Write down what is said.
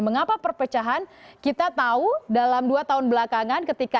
mengapa perpecahan kita tahu dalam dua tahun belakangan ketika